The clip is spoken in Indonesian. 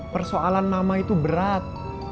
persoalan mama itu berat